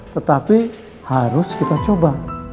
tetapi harus kita coba